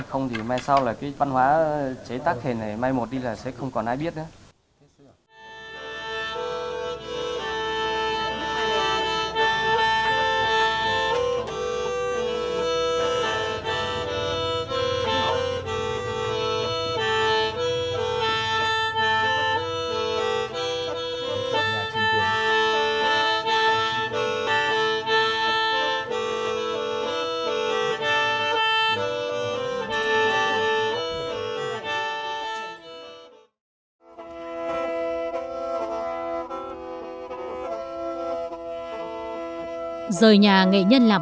không thì mai sau là cái văn hóa chế tác khen này mai một đi là sẽ không còn ai biết nữa